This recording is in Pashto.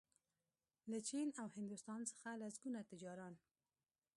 له چین او هندوستان څخه لسګونه تجاران